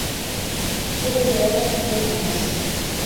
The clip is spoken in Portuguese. Crimeia, Donbass